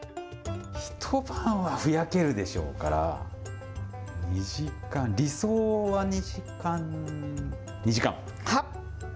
ひと晩はふやけるでしょうから、２時間、理想は２時間、２時間。